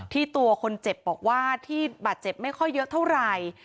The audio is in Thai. ตัวคนเจ็บบอกว่าที่บาดเจ็บไม่ค่อยเยอะเท่าไหร่